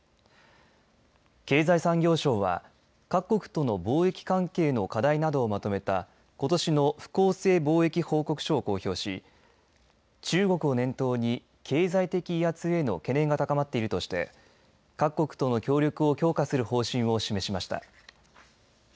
経済産業省は各国との貿易関係の課題などを求めたことしの不公正貿易報告書を公表し中国を念頭に経済的威圧への懸念が高まっているとして各国との協力を強化する方針を示しました。